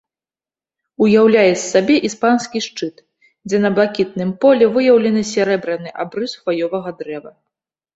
Уяўляе з сабе іспанскі шчыт, дзе на блакітным полі выяўлены сярэбраны абрыс хваёвага дрэва.